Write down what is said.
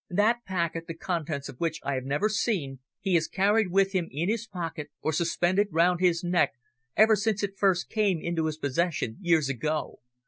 "That packet, the contents of which I have never seen, he has carried with him in his pocket or suspended round his neck ever since it first came into his possession years ago.